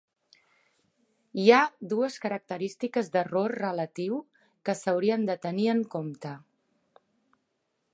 Hi ha dues característiques d'error relatiu que s'haurien de tenir en compte.